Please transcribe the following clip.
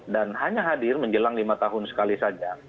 dan hanya hadir menjelang lima tahun sekali saja